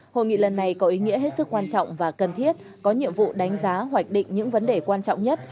hội nghị lần này có ý nghĩa hết sức quan trọng và cần thiết có nhiệm vụ đánh giá hoạch định những vấn đề quan trọng nhất